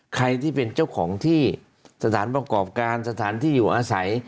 ใครที่เป็นเจ้าของที่สถานประกอบการสถานที่อยู่อาศัย